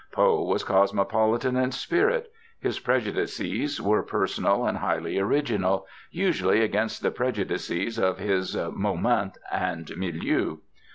Poe was cosmopolitan in spirit; his prejudices were personal and highly original, usually against the prejudices of his _moment and milieu.